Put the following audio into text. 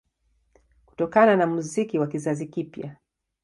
Kutokana na muziki wa kizazi kipya